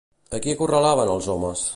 A qui acorralaven els homes?